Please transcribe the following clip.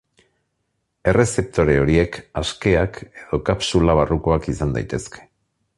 Errezeptore horiek askeak edo kapsula barrukoak izan daitezke.